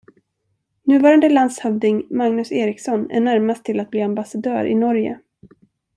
Nuvarande landshövding Magnus Eriksson är närmast till att bli ambassadör i Norge.